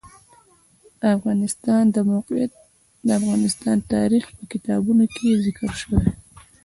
د افغانستان د موقعیت د افغان تاریخ په کتابونو کې ذکر شوی دي.